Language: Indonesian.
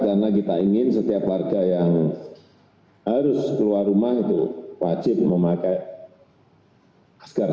karena kita ingin setiap warga yang harus keluar rumah itu wajib memakai masker